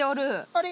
あれ？